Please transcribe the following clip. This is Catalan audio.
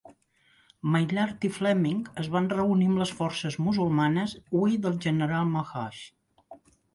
Maillart i Fleming es van reunir amb les forces musulmanes Hui del General Ma Hush.